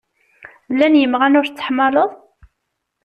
Llan yimɣan ur tettḥamaleḍ?